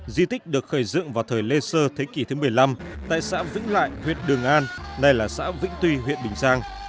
di tích được khởi dựng vào thời lê sơ thế kỷ thứ một mươi năm tại xã vĩnh lại huyện đường an nay là xã vĩnh tuy huyện bình giang